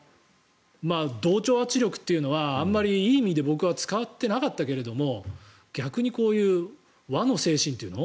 同調圧力というのはあまりいい意味で僕は使っていなかったけれども逆にこういう和の精神というの？